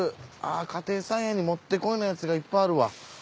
家庭菜園にもってこいのやつがいっぱいあるわ。